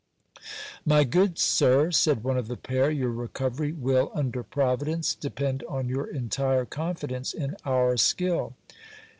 My good sir, said one of the pair, your recovery will, under Providence, de pend on your entire confidence in our skill.